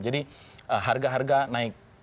jadi harga harga naik